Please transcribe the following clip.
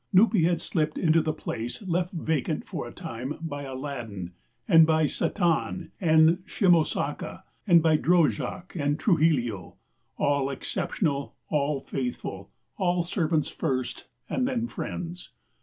Nupee had slipped into the place left vacant for a time by Aladdin, and by Satán and Shimosaka, by Drojak and Trujillo all exceptional, all faithful, all servants first and then friends.